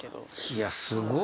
いやすごいわ。